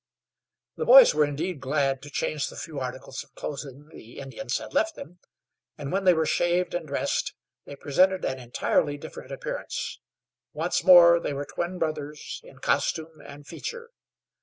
The boys were indeed glad to change the few articles of clothing the Indians had left them, and when they were shaved and dressed they presented an entirely different appearance. Once more they were twin brothers, in costume and feature.